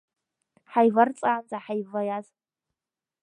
Ҳаиварҵаанӡа ҳаиваиаз.